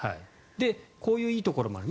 こういういいところもある。